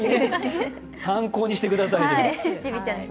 参考にしてください。